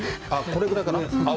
これぐらいかな？